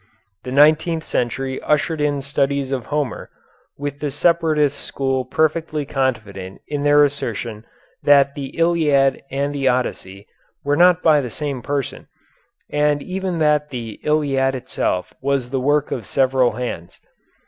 The nineteenth century ushered in studies of Homer, with the separatist school perfectly confident in their assertion that the Iliad and the Odyssey were not by the same person, and even that the Iliad itself was the work of several hands.